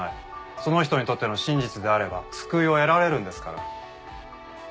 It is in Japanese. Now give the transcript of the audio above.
その人にとっての真実であれば救いを得られるんですから。